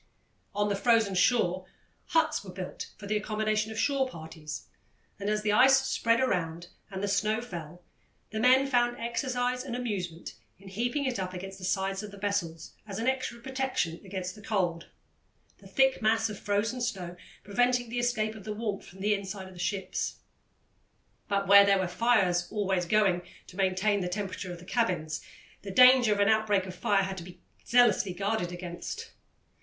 On the frozen shore huts were built for the accommodation of shore parties, and, as the ice spread around and the snow fell, the men found exercise and amusement in heaping it up against the sides of the vessels as an extra protection against the cold, the thick mass of frozen snow preventing the escape of the warmth from the inside of the ships. But where there were fires always going to maintain the temperature of the cabins, the danger of an outbreak of fire had to be zealously guarded against.